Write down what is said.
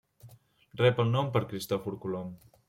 Rep el nom per Cristòfor Colom.